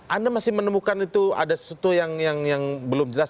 anda masih menemukan itu ada sesuatu yang belum jelas